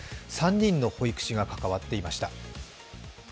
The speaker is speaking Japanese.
３人の保育士が関わっていました。